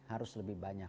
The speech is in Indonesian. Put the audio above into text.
harus lebih banyak